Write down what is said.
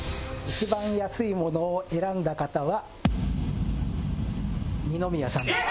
一番安いものを選んだ方は二宮さんです。